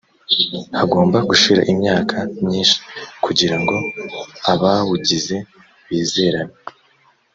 hagomba gushira imyaka myinshi kugira ngo abawugize bizerane